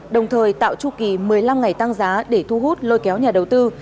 đồng thời tạo chu kỳ một mươi năm ngày tăng giá để thu hút lôi kéo nhà đầu tư